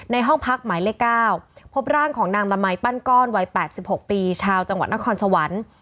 ห้องพักหมายเลข๙พบร่างของนางละมัยปั้นก้อนวัย๘๖ปีชาวจังหวัดนครสวรรค์